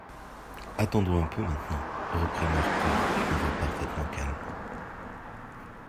Attendons un peu maintenant, reprit Marcof d'une voix parfaitement calme.